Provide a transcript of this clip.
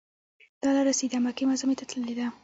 دا لاره سیده مکې معظمې ته تللې ده.